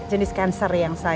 jenis cancer yang saya